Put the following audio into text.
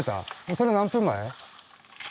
それ何分前？